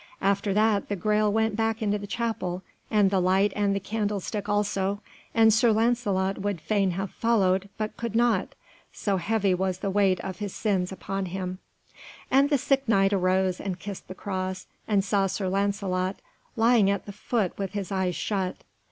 After that the Graal went back into the chapel, and the light and the candlestick also, and Sir Lancelot would fain have followed, but could not, so heavy was the weight of his sins upon him. And the sick Knight arose and kissed the cross, and saw Sir Lancelot lying at the foot with his eyes shut.